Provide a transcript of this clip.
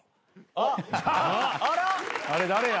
あれ誰や。